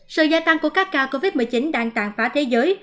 sự gia tăng của các ca covid một mươi chín đang tàn phá thế giới